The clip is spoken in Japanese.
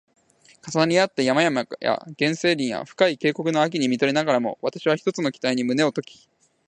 重なり合った山々や原生林や深い渓谷の秋に見とれながらも、わたしは一つの期待に胸をとき